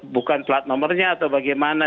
bukan pelat nomernya atau bagaimana